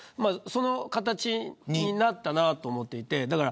その形になったなと思っていて。